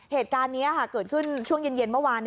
เหตุการณ์นี้เกิดขึ้นช่วงเย็นเมื่อวาน